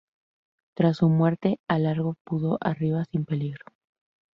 Tras su muerte, el Argo pudo arribar sin peligro.